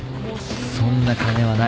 そんな金はない。